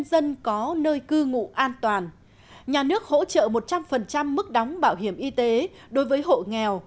dân có nơi cư ngụ an toàn nhà nước hỗ trợ một trăm linh mức đóng bảo hiểm y tế đối với hộ nghèo